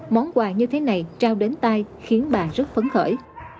món quà như thế này trao đến tay khiến bà rất phấn khởi